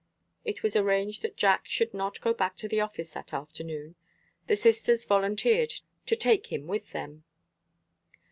It was arranged that Jack should not go back to the office that afternoon. The sisters volunteered to take him with them.